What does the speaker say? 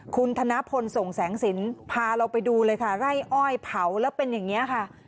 คุณธนพลส่งแสงสินพาเราไปดูเลยค่ะไร่อ้อยเผาแล้วเป็นอย่างนี้ค่ะ